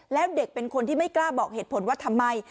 แล้วเด็กเป็นคนที่ไม่กล้าบอกเหตุผลว่าทำไม